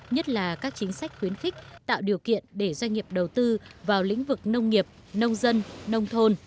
nhất là các chính sách khuyến khích tạo điều kiện để doanh nghiệp đầu tư vào lĩnh vực nông nghiệp nông dân nông thôn